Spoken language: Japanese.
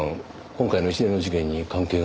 今回の一連の事件に関係があるとでも？